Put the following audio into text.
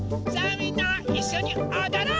みんないっしょにおどろう！